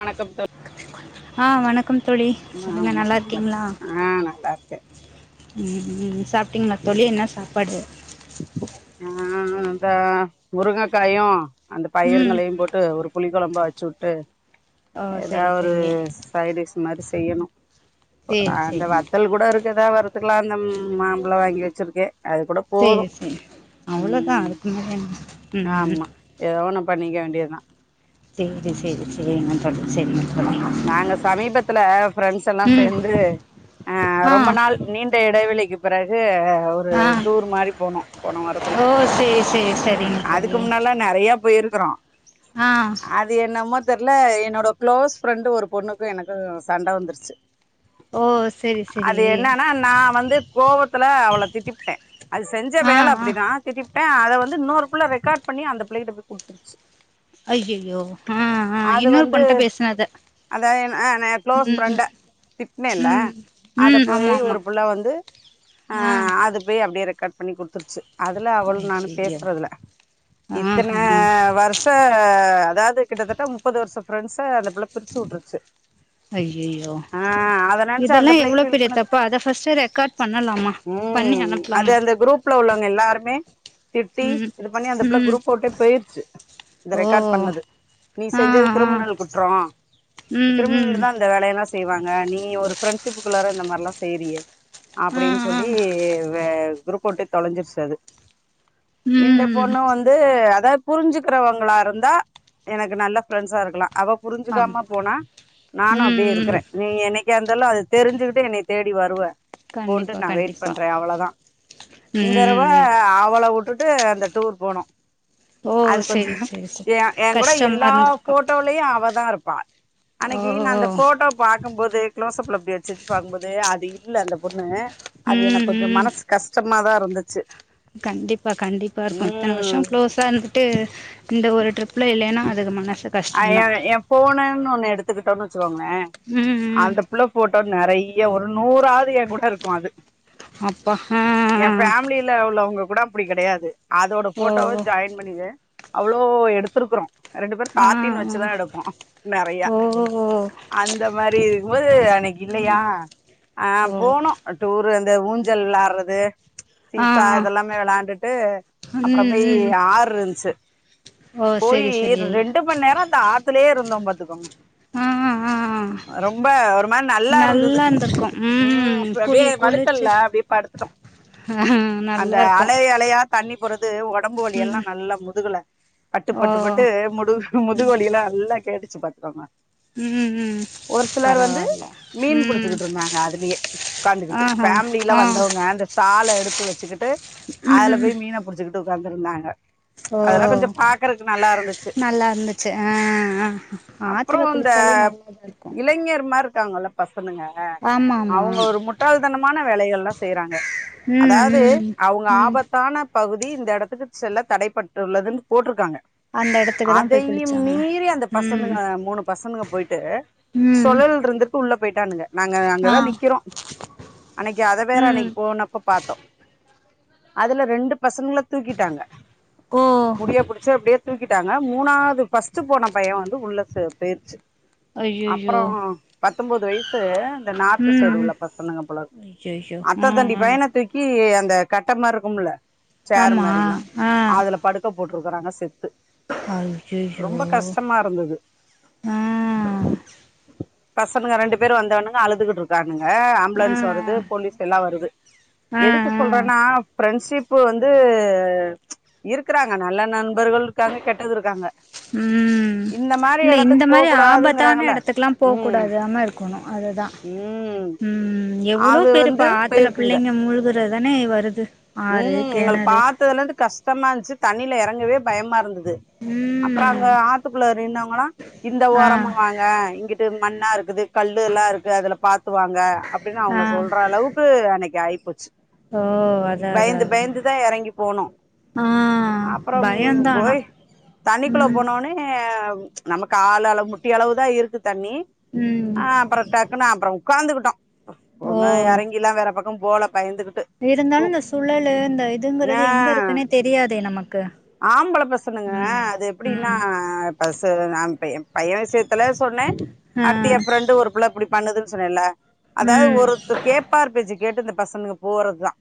வணக்கம் தோழி ஆ வணக்கம் தோழி ஆ சொல்லுங்க நல்லா வணக்கம் இருக்கீங்களா வணக்கம் ஆ நல்லா இருக்கே ம் ம் சாப்டீங்களா தோழி என்ன சாப்பாடு ஆ அந்த முருங்கக்காயு அந்த ம் பயிருங்களையு போட்டு ஒருப் புளி கொழம்பா வச்சு வுட்டு ஓ ஏதா சரி ஒரு சரி ஸ் ஃபிரைட்ரைஸ் மாரி செய்யணு ஓ சரி அந்த சரிங்க வத்தல் கூட இருக்குதா வறுத்துக்கலா அந்தம் மாம் பழோ வாங்கி வச்சிருக்கே அது கூட போது அவ்ளோதா ம் அதுக்குமேல என்ன ம் எதோ ஒண்ண பண்ணிக்க வேண்டியதா சேரி சேரி சேரிங்க தோழி சேரிங்க நாங்க சமீபத்துல ஃப்ரெண்ட்ஸ் எல்லா ம் சேந்து அ ஆ ரொம்ப நாள் நீண்ட இடைவெளிக்கு பிறகு அ ஆ டூர் மாரி போனோ போனவாரத்துல ஓ சரி சரி சரிங்க அதுக்கு தோழி முன்னாலா நெறயா போய்ருக்குறோ ஆ அது என்னமோ தெர்ல என்னோட க்ளோஸ் ஃப்ரெண்டு ஒரு பொண்ணுக்கு எனக்கு சண்ட வந்துருச்சு ஓ சரி சரி அது என்னனா நா வந்து கோவத்துல அவள திட்டிப்புட்டே அது செஞ்ச ஆ வேல ஆ அப்டிதா திட்டிப்ட்டே அத வந்து இன்னொரு புள்ள ரெக்கார்ட் பண்ணி அந்த புளைகிட்ட போய் குடுத்துருச்சு அய்யையோ அ அ அது இன்னொரு வந்து பொண்ணுட்ட பேசுனத அதா என் அ க்ளோஸ் ஃப்ரெண்ட திட்னேல்ல ம் அத ம் போய் ஆமா ஆமா ஒரு புள்ள வந்து அ ஆ அது போயி அப்டியே ரெக்கார்ட் பண்ணி குடுத்துருச்சு அதுல அவுளு நானு ஐய்யய்யோ பேசுறதுல இத்தன ஆஹா வர்ஷ் ப்ப அதாவது கிட்டத்தட்ட முப்பது வருஷ ஃப்ரெண்ட்ஸ அந்த புள்ள பிரிச்சு வுட்ருச்சு ஐயைய்யோ அந்த இதெல்லா புள்ளைய எவ்ளோ ஃபீல் பெரிய பண்ணது தப்பு அத ஃபஸ்ட்டு ரெக்கார்ட் பண்ணலாமா பண்ணி ம் அது அனுப்பலாமா அந்த குரூப்ல உள்ளங்க எல்லாருமே திட்டி ம் இது பண்ணி அந்த பிள்ள ம் குரூப்ப உட்டே பெயிர்ச்சு இந்த ஓ ரெக்கார்ட் பண்ணது நீ ஆ செஞ்சது ஆ கிரும்னல் குற்றோ ம் ம் கிரிம்னல் தா அந்த வேலயெல்லா செய்வாங்க நீ ஒரு ஃரெண்ட்ஷிப்புக்குள்ளற இந்த மார்லா செய்ரியே ஆ அப்டின்னு ஆ சொல்லி வே குரூப் வுட்டே தொலஞ்சிர்ச்சு அது இந்த ம் பொண்ணு வந் ந்து அதாது புரிஞ்சுக்கிறவங்களா இருந்தா எனக்கு நல்ல ப்ரெண்சா இருக்கலா அவ ஆமா ரிஞ்சுக்காம போனா நானு ம் அப்டியே ம் இருக்கறே நீ என்னைக்கா இருந்தாலு அது தெரிஞ்சுக்கிட்டு என்னய தேடி வருவ கண்டிப்பா போன்ட்டு நா வெயிட் கண்டிப்பா பண்றே அவளதா இந்தரவ ம் அவள வுட்டுட்டு அந்த டூர் போனோ ஓ அது கொஞ்சோ செரி செரி செரி எ ஏ கூட கஷ்டமா எல்லா இருந்திருக்கு போட்டோலையு அவதா இருப் பா ஓ அன்னைக்கு நா அந்த போட்டோ பாக்கும்போது க்ளோசப்ல இப்டி வச்சி பாக்கும்போது அது இல்ல அந்த பொண்ணு அது எனக்கு ம் கொஞ்சோ ம் மனஸ் கஷ்டமாதாருந்துச்சு கண்டிப்பா கண்டிப்பாருக்கு இத்தன வருஷோ க்ளோஸ் தந்துட்டு இந்த ஒரு ட்ரிப்ல இல்லேனா அதுக்கு மனசு கஷ்டந்தான். [unintelligible] எ போனன்னு ஒண்ணு எடுத்துக்கிட்டோனு வச்சுக்கோங்களே ம், ம். அந்த பிள்ள போட்டோ நெறையா ஒரு நூறாது ஏ கூட இருக்கு அது அப்பா அ அ அ பிள்ள உள்ளவங்க கூட அப்டி கெடையாது அதோட போட்டோவ ஓ! ஜாய்ன் பண்ணிரு அவ்ளோ எடுத்திருக்றோ ரெண்டு பேரு ஆ, ஹார் டின் வச்சுதா எடுப்போ நெறையா ஓ! அந்த மாரி இருக்குபோது அன்னைக்கு இல்லையா ஆ ஓ! போனோ அட்டூரு அந்த ஊஞ்சல் ளாடுறது ஆ, சீசா ஆ. இதெல்லாமே வெளாண்டுட்டு அப்ரோ ம், பெய் ம். ஆர்ருச்சு ஓ! போயி சரி, சரி. ரெண்டு மன் நேரோ த ஆத்துலயே இருந்தோ பாத்துக்கோங்க ஆ, ஆ. ரொம்ப ஒரு மாரி நல்லா இருந்தது ம் அப்டியே வலுக்கல்ல அப்டியே படுத்ட்டோ அஹ நல்லார்க்கு அலயா தண்ணி போறது ஒடம்பு வலி எல்லா நல்லா முதுகுல பட்டு ஓ! பட்டு பட்டு முடு முதுவலில அல்லா கேட்டுச்சு பாத்க்கோங்க ம் ம் ஒரு சிலர் வந்து பரவால்ல. மீன் ம். புடிச்சிக்கிட்ருந்தாங்க அதுலியே க்காந்துகிட்டு ஆஹா! ஃபேமிலில்ல ஆ. வந்தவங்க அந்தஸ் ஷால எடுத்து வச்சிக்கிட்டு ஆல ம். போய் மீன புடிச்சிக்கிட்டு உக்காந்துருந்தாங்க ஓ அதுல்லா கொஞ்சோ பாக்குறக்கு நல்லா இருந்துச்சு நல்லா இருந்து சே ஆ ஆ அப்றோ ஆத்துல குளிச்சாலே அந்தப் நல்லாதா இருக்கு இளைஞர் மார் இருக்காங்கல்ல பசனுங்க ஆமா ஆமா அவங்க ஒரு முட்டாள் தனமான வேலைகள்லா செய்றாங்க ம் அதாவது ம் அவங்க ம் ஆபத்தான பகுதி இந்த இடத்துக்குச் செல்ல தடைப்பட்டுள்ளதுன் போட்ருக்காங்க அந்த எடத்துக்கு தா போய் அதையும் குளிச்சாங்களா மீறி அந்த ம் பசனுங்க மூணு பசனுங்க போய்ட்டு ம் சொழல் ருந்துக்கு உள்ள போய்ட்டானுங்க நாங்க ஆ அங்கதா நிக்கிறோ அன்னைக்கு அத வேற ம் அன்னைக் போனப்ப பாத்தோ அதுல ரெண்டு பசங்கள தூக்கிட்டாங்க ஓ முடிய புடிச்சு அப்டேத் தூக்கிட்டாங்க மூணாவ்து ஃபஸ்ட் போன பைய வந்து உள்ள சே போய்ர்ச்சு அப்பறோ ஐயையோ பத்தோம்பது வய்ஸ் த்து அந்த நாத்து சைடு ம் உள்ள ம் பசனுங்க போலக் ஐயையோ அத்த ஆ தண்டி ஆ பய்யன தூக் க்கி அந்த கட்ட மார் இருக்கும்ல சேர் ஆமா மாரிலா ஆ அதுல படுக் ப்ப போட்ருக்கறாங்க செத்து ஐயை ரொம்ப கஷ்டமா இருந்தது ஆ பசனுங்க ரெண்டு பேரு வந்தவனங்க அழுதுகுட்ரு டாநுங்க ஆ ஆ ஆம்புலன்ஸ் வருது போலீஸ் எல்லா வருது ஆ எதுக்கு ஆ சொல்றன்னா ஃப்ரெண்ஷிப்பு வந்து இருக்குறாங்க நல்ல நண்பர்கள் இக்காங்க கெட்டது இருக்காங்க ம் ம் இந்த மாரி இல்ல இந்த எடத்துக்கு போ மாறி ஆபத்தான கூடாதுங்கறாங்கல்ல எடத்துக்லா போ ம் கூடாது ஆம இருக்கணு அதுதா ம் உம் எவ்ளோ அது பேருப்பா வந்து ஆத்துல போயிருக்குங்க பிள்ளைங்க மூழ்குற தானே வருது ஆறு கெணறு த்தர்லுந்து கஷ்டமா இந்ச்சு தண்ணில எறங்கவே பயமா இருந்தது ம் அப்ற அங்க ஆத்துக்குள்ள நின்னவங்கல்லா இந்த ஆ ஓரமா வாங் அ இங்கிட்டு மண்ணாருக்குது கல்லு எல்லா இருக்கு அதுல பாத்து வாங்க அப்டின்னு அவங்க ஆ சொல்ற அளவுக் ப்பு அன்னைக்கு ஆய்ப்போச்சு ஓ அதா அதா பயந்து அதா பயந்துதா எறங்கி போனு ஆ அப்றம் பயந்தா ஆனா போய் தண் ணிக்குள்ள ம் போனவுனே அம் நமக்கு ஆள் அளவ் முட்டி அளவு தா இருக்கு தண்ணி் ம் ஆ அப்ற டக்குன்னு அப்ற உக்காந்துக்குட்டோ ப ஓ ஒன்னு யறங்கில்லா வேற பக் ப்றம் போல பயந்துகிட்டு திருந்தாலு இந்த சூழலு இந்த இதுங்கறது ஆ எங்க இருக்குன்னே தெரியாதே நமக்கு ன்னங்க ம் அது எப்டின்னா ம் பசு நாம்ப்பே என் பைய விசயத்துல சொன்னே ஆ அடுத்து என் ஃப்ரெண்டு ஒரு புள்ள இப்டி பண்ணுதுன் சொன்னேல்ல அதாவ் ம் ஒருத்து கேப் பார் பேச்சு கேட்டு இந்த பசனுங்க போறத்தா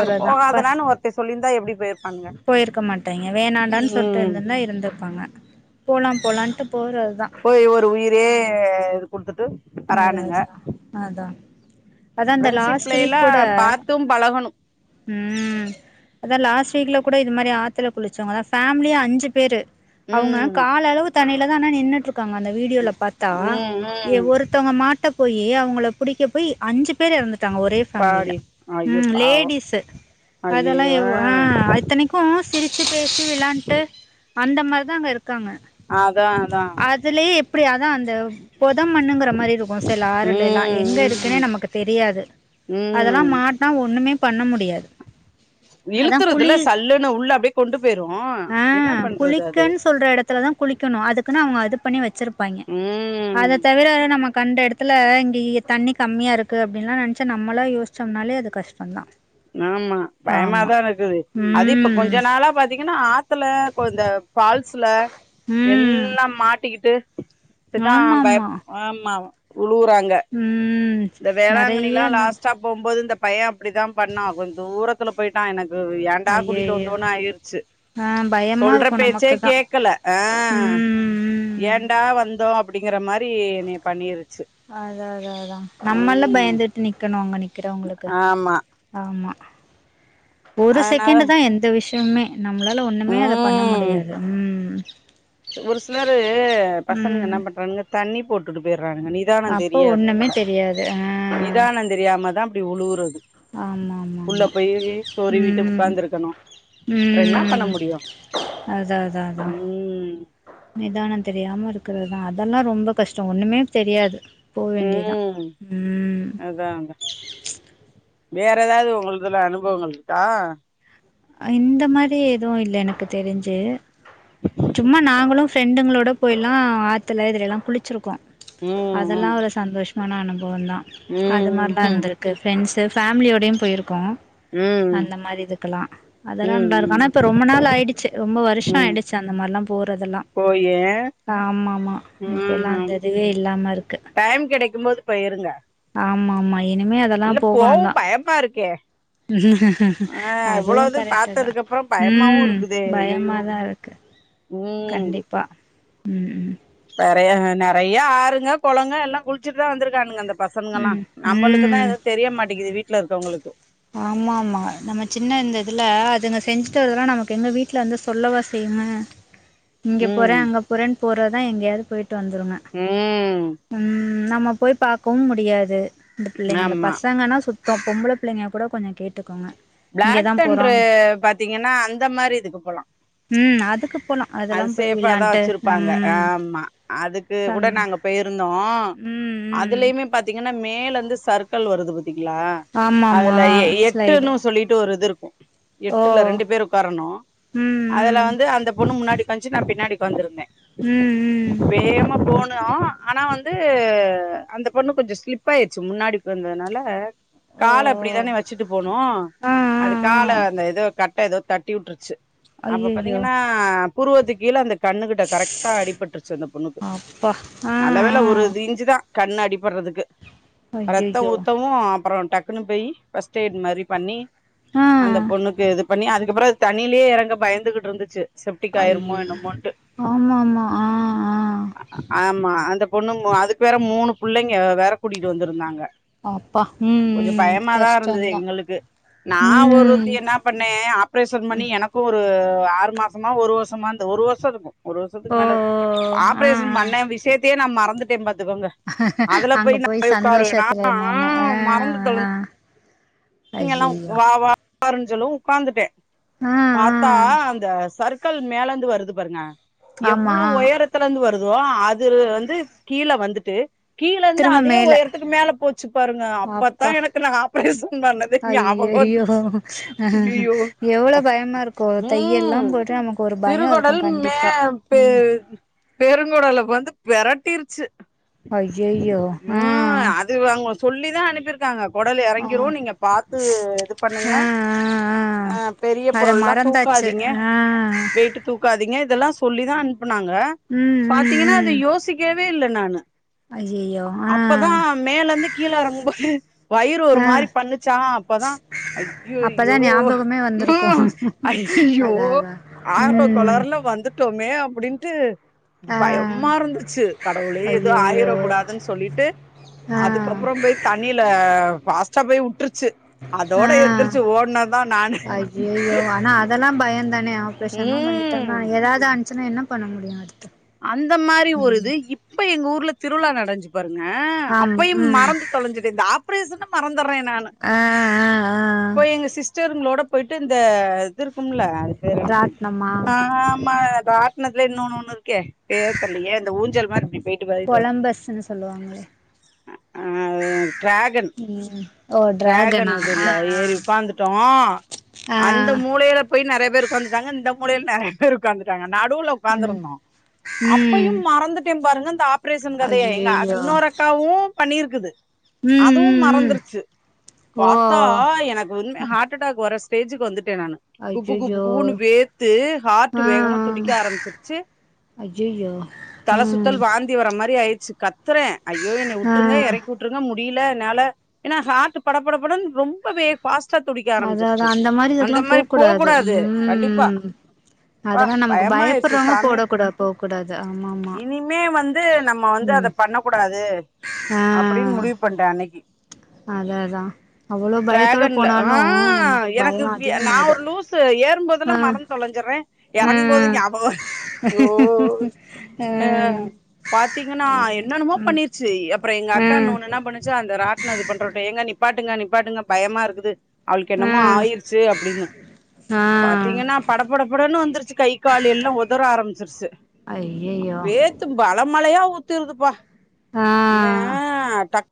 அங்க பஸ் போகாதடான்னு ஒருத்தி சொல்லிந்தா எப்டி பொய்ர்ப்பானுங்க ம் டன்னுன்னா இருந்துர்ப்பாங்க போலா போலான்ட்டு போறதுதா பொய் ஒரு உயிரே இது குடுத்துட்டு அதா வரானுங்க அஜுனா அதா அதா அந்த லாஸ்ட்டு வீக் ஃப்ரெண்ட்ஷிப்லலா கூட பாத்தும் பழகணு ம் அதான் லாஸ்ட் வீக்ல கூட இது மாரி ஆத்துல குளிச்சவங்கதா ஃபேமிலியா அஞ்சு பேரு அவுங்க ம் கால் அளவு தண்ணில தா ஆனா நின்னுட்டுருக்காங்க அந்த வீடியோல பாத்தா ம் ஏ ம் ஒருத் தவுங்க மாட்ட போயி அவுங்கள புடிக்க போயி அஞ்சு பேர் எறந்துட்டாங்க ஒரே ஃபேமிலில பாடி ஐயோ ம் பாவோ லேடிஸ்சு அதெல்லா ஐயையோ எவ் அ ஆயி இத்தனைக்கு சிரிச்சு பேசி வெளயாண்ட்டு அந்த மாரி தா அங்க இருக்காங்க அதா அதா அதுலயே எப்டி அதா அந்த பொத மண்ணுங்குற மாரி இருக்கு சில ஆறுலேலா எங்க ம் ம் இருக்குனு நமக்கு தெரியாது அதெல்லா ம் மாட் நா ஒண்ணுமே பண்ண முடியாது அதா குளி இழுத்துறுதுல சல்லுனு உள்ள அப்டியே கொண்டு போயிரு ஆ என்ன பண்றது அது குளிக்கன்னு சொல்ற எடத்துல தா குளிக்கணு அதுக்குனு அவுங்க அது பண்ணி வச்சிருப்பாய்ங் ம் அத தவிர நம்ம கண்ட எடத்துல இங்கயி தண்ணி கம்மியா இருக்கு அப்டின்லா நெனச்சா நம்மளா யோ ச்சோம்னாலே அது கஷ்டதா ஆமா பயமாதா இருக்குது அது இப்ப கொஞ்ச ம் நாளா பாத்தீங்கனா ஆத்துல கொ இந்த ஃபால்ஸ்ல ம் எல்லா மாட்டிக்கிட்டு கிதா பய ஆமாமா ஆமா உழுவுறாங்க ம் இந்த நெறைய வேளாங்கண்ணில்லா அந்த லாஸ்ட்டாப் போம்போது இந்த பையே அப்டித்தா பண்ணா கொஞ்ச தூரத்துல போயிட்டா எனக்கு ஏ ன்டா கூட்டிட்டு ஐயய்யோ வந்தோனு ஆயிருச்சு ஆ பயமா சொல்ற இருக்கு பேச்சே நமக்கு தா கேக்கல அ ம் ம் ஏன்டா வந்தோ அப் பிடிங்கிற மாரி என்னய பண்ணிருச்சு அதா அதா அதா நம்மல்ல ம் பயந்துட்டு நிக்கணு அங்க நிக்கிறவங்களுக்கு ஆமா ஆமா ஒரு அதனால செகண்ட் தா எந்த விஷயமுமே நம்மளால ஒண்ணுமே அத பண்ண ம் முடியாது ம் ஒரு சிலரு பசனுங்க ம் என்ன பண்றாணுங்க தண்ணி போட்டுட்டு போயிட்றாணுங்க நீ நிதான அப்போ தெரியாது ஒண்ணுமே அதுல தெரியாது ஆ நிதான தெரியாம தா அப்டி உழுவுறது ஆமா ஆமா உள்ள ஆமா போய்யி சொறி விட்டு ம் உக்காந்துருக்கணு அப்ற என்ன பண்ண ம் முடியு அதா அதா அதா ம் நிதான தெரியாம இருக்கறதா அதெல்லா ரொம்ப கஷ்டோ ஒண்ணுமே தெரியாது போ வேண்டியதா ம் ம் அதா அதா வேற கஷ்டோ எதாவது உங்களுதுல அனுபவங்கள் இருக்கா அ இந்த மாரி எதுவு இல்ல எனக்கு தெரிஞ்சு சும்மா நாங்களு ஃப்ரெண்டுங்களோட போய்ல்லா ஆத்துல இதுலலா குளிச்சிரு ப்போ ம் அதெல்லா ம் ஒரு சந்தோஷமான அனுபவந்தா அது ம் மார்லா ம் இருந்துரு க்கு ஃப்ரெண்ட்ஸ்சு ஃபேமிலியோடயு போயிருக்கோ ம் அந்த மாரி இதுக்குலா அதெல்லா நல்லா இருக்கு ம் ம் ஆனா இப்ப ரொம்ப நாள் ஆயிடுச்சு ரொம்ப வருஷோ ஆயிடுச்சு அந்த மார்லா போறதெல்லா ஓ ஏ ஆமாமா இப்ப எல்லா அந்த இதுவே இல்லாமருக்கு டைம் கெடக்கும்போது போயிருங்க ஆமாமா இனிமே அது இல்ல போவு பயமாருக்கே அ இவ்ளோ அதுவும் இது கரெக்டு தான் பாத்ததுக்கப்றோ பயமாவு ம் ருக்குதே ஐயையோ பயமாக ம் பா ம் ம் பெறையஹ நெறைய ஆறுங்க கொளங்க எல்லா குளிச்சுட் தா வந்துருக்கானுங்க அந்தப் பசங்கல்லா ம் நம்மளுக்குதா ம் எதுவு தெரிய மாட்டேக்கிது வீட்ல இருக்கவங்களுக்கு ஆமாமா நம்ம சின்ன இந்த இதுல அதுங்க செஞ்சுட்டு வரதுல்லா நமக்கு எங்க வீ ட்ல வந்து சொல்லவா செய்யுங்க [inaudible] இங்க போறே அங்கே போறன் போறதா எங்கயாவது போய்ட்டு வந்துருங்க ம் ம் நம்ம போய் பாக்கவு முடியாது இந்த பிள்ளைங்கள ஆமா பசங்கனா சுத் பா பொம்பள புள்ளைங்க கூட கொஞ்சோ கேட்டுக்கோங்க ப்ளாக் இங்கதா தன்று போறோம் பாத்தீங்கன்னா அந்த மாரி இதுக்கு போலா ம் அதுக்கு போலாம் அது அதெல்லாம் போய் சேஃபாதா விளாண்ட்டு வச்சிருப்பாங்க ம் ஆமா அதுக் உ கூட சந் நாங்க போய்ருந்தோ ம் ம் அதுலயுமே பத் த்தீங்கன்னா மேலந்து சர்க்கள் வருது பத்தீங்ளா ஆமா ஆமா அதுல எ எட்டு ஸ்லைடு நூஸ் சொல்லிட்டு ஒரு இது இருக்கு ஓ எட்டுல ரெண்டு பேர் உக்காரணு ம் அதுல ம் வந்து அந்த பொண்ணு முன்னாடி பஞ்சி நா பின்னாடிக்கு உக்காந்திருந்தே ம் ம் வேமா போனு ஆனா வந்து அந்த பொண்ணு கொஞ்சு ஸ்லிப் ப்பயிச்சு முன்னாடி உக்காந்ததுனால ஓ கால ஓ அப்படிதானே வச்சிட்டு போனு ஆ ஆ அது கால ஆ அந்த எதோ கட்ட ஏதோ தட்டி வுட்ருச்சு அப்ப ஐயையோ பாத்தீங்கன்னா ஆ புருவத்து கீழ அந்த கண்ணு கிட்ட கரெக்டா அடிபட்ருச்சு அந்த பொண்ணுக்கு அப்பா ஆ நல்ல வேல் ல்ல ஆ ஒரு இது இஞ்சு தா கண்ணு அடிபட்றதுக்கு ரத்தோ ஐயையோ ஊத்தவு அப்பறோ டக் ப்பினு பெய் ஃபஸ்டெய்ட் மாரி பண்ணி ஆ அந்த பொண்ணுக்கு இது பண்ணி அதுக்கப்புறோ தண்ணியிலே எறங்க பயந்துகிட்ருந்துச்சு ஐயய் ஆமாமா ஆ ஆ ஆமா அந்த பொண்ணுங்கு அதுக்கு வேற மூணு புள்ளைங்கொ வேற கூட்டிட் வந்துருந்தாங்க ஆ அப்பா ம் கொஞ்சோ ம் பயமாதா இருந்துதெ கஷ்டந்தா எங்களுக்கு நா ஒருவத்தி ம் என்ன பண்ணே ஆப்ரேஷன் பண்ணி ம் எனக் க்கொரு ஆறு மாசமா ஒரு வருஷமாந்த ஒரு வருஷோ இருக்கு ஒரு வருஷத்துக்கு ஓ மேல ஓ ஆ ஆப்ரேஷன் ஆ மண்ண விஷியத்தே நா மறந்துட்டே பாத்துக்கோங்க அதுல அங்க போய் நா ய் உக்காருவேனா சந்தோஷத்துல ஆ இருந்தோனே ஆ மறந்து தொழஞ் ஆ இங்கிலவ் ஐயையோ வா வா ஆரன் ஜொல்லு உக்காந்துட்டே ஆ ஆ பாத்தா அந்த சரு க்கள் மேலந்து வருது பாருங்க ஆமா எவ்வளவ் உயரத்துல இந்து வருதோ அதுரு வந்து கீழ வந்துட்டு கீழந்து திரும்ப அதே மேல உயரத்துக்கு மேல போச்சு பாருங்க அப்பத்தா அப்பா எனக்கு நா ஆப்ரேஜா அண்ணதே ஞாபகோ ஐய்யய்யோ! வந்துச் அய்யய்யோ எவ்ளோ அப் பயமா இருக்கும். உம் தையெல்லாம் போட்டு நமக்கு ஒரு பயம் சிறுகடல் இருக்கும் கண்டிப்பா. மேப்பு ம். தெ உ பெருங்கொடல வந்து பெரட்டிர்ச்சு அய்யய்யோ ம் துவாங்கோ சொல்லிதா அனுப்பிர்க்காங்க கொடல் ஆ. யரங்கிரு நீங்க பாத்து இது பண்ணுங்க ஆ, ஆ, ஆ. அ பெரிய அத பொருல்லா மறந்தாச்சு. தூக்காதீங்க ஆ. வெய்ட்டு தூக்காதீங்க இதெல்லா சொல்லிதா அனுப்புனாங்க ம், ம், பாத்தீங்கன்னா அத ம். யோசிக்கவே இல்ல நானு ஐய்யய்யோ! ஆ. அப்பதா மேலருந்து கீழ எறங்கும்போது வயிறு ஒரு ஆ. மாரி பண்ணுச்சா அப்பதா ஐயோயோ அப்பதான் ஞாபகமே வந்திருக்கும். ம் ஐய்யயோ அதான் அதான். ஆர்வக் ம். கோளாறுல வந்து ட்டோமே அப்டின்ட்டு ஆ. பயம்மா இருந்துச்சு கடவுளே எது ஐய்யய்யோ! ஆயிர கூடாதுன் சொல்லிட்டு ஆ. அதுக் கப்பற போய் தண்ணில ஃபாஸ்டா போய் வுட்ருச்சு அதோட எந்திரிச்சு ஓட்னதுதா நான் ஐயயோ ஆனா அதெல்லா பய தானே ஆப்ரேஷன்னா பய ம் தம்னா எதாவ்து ஆன்ச்சுனா என்ன பண்ண முடியு அடுத்து அந்த மாரி ஒரு ம் இது இப்ப எங்க ஊர்ல திருவிழா நடந்ச்சு பாருங்க ஆம் அப்பயும் ம் மறந்து தொலஞ்சுட்டே இந்த ஆப்ரேஷன மறந்துட்றே நானு ஆ ஆ ஆ போய் எங்க சிஸ்டருங்களோட போயிட்டு இந்த இது இருக்கும்ல பேர் என்ன ராட்னமா ஆ ஆமா ராட்னத்துலே இன்னொன்னு ஒன்னு இருக் கே பேர் தெர்லயே இந்த ஊஞ்சல் மாரி இப்டி போய்ட் கொலம்பஸ்ஸுனு சொல்லுவாங்க அ அது டிராகன் ம் ஓ டிராகன் டிராகனா ஆ இதுல்ல ஏறி ஒக்காந்து ட்டோ ஆ ஆ அந்த மூலைல போய் நெறைய பேர் ஒக்காந்துட்டாங்க இந்த மூலைல நெறைய பேர் ஒக்காந்துட்டாங்க நடுல ம் ஒக்காந்துருந்தோ ம் அப்பயும் மறந்துட்டே பாருங்க இந்த ஆப்ரேஷன் கதைய எங்க ஐய்யய்யோ இன்னொரு அக்காவு பண்ணிருக்குது ம் அதுவு ம் ம் மறந்துருச்சு ஓ பாத்தா எனக்கு வந்து ஹார்ட்டடாக் வரஸ் ஸ்டேஜுக்கு வந்துட்டே நானு குப்பு குப்பு ஐய்யய்யோ குபுன்னு வேர்த்து ஹார்ட்டு வேகமா துடிக்க ஆரம்மிச்சிருச்சு ஐயயோ தல சுத்தல் வாந்தி வர மாரி ஆயிருச்சு கத்துறே ஐயோ என்ன வுட்ருங்க ஆ எறக்கி வுட் ட்ருங்க முடியல என்னால ஏனா ஹார்ட்டு பட பட படனு ரொம்பவே ஃபாஸ்ட் ட்டா துடிக்க அதா அதா ஆரம்மிச்சிருச்சு மாரி அந்த இதுக்கெல்லா போ மாரி போக் கூடாது கண்டிப்பா ம் அப்பா அதெல்லா நமக்கு பயமயிருச்சு பயப்படுறவங்க சாமி போடக்கூடா போக்கூடாது ஆமா ஆமா இனிமே வந்து நம்ம வந்து அத ம் பண்ண கூடாது ஆ அப்டின் முடிவு பண்டே அன்னைக்கு அதா அதா அவ்ளோ பயத்தோட டிராகன்ல ஆ போனாலு நமக்கு எனக்கு பயோ வி நா‌ அதிகமாயிடு ஒரு லூஸ் ஸு ஏறும்போதெல்லா ஆ மறந்து தொலஞ்சுறே எறங்கும் போது ஆ ஞாபக ஆ பாத்தீங்கனா என்னென்னமோ பண்ணிருச்சு அப்பற எங்க அக்கா ம் இன்னொன்னு என்ன பண்ணுச் ச்சு அந்த ராட்ன இது பண்ற டய ஏங்க நிப்பாட்டுங்க நிப்பாட்டுங்க பயமா இருக்குது அவளுக்கு என்னமோ ஆ ஆயிருச்சு அப்டின்னு ஆ ஆ பாத்தீங்கனா பட பட படன்னு வந்துருச்சு கை கால் எல்லா ஒத் தற ஆரம்மிச்சிருச்சு ஐயையோ வேர்த்து பல மழையா ஊத்துதுப்பா ஆ ஏ டக்